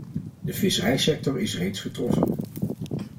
De visserijsector is reeds getroffen.